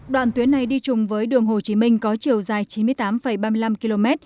đoạn tuyến này đi chung với đường hồ chí minh có chiều dài chín mươi tám ba mươi năm km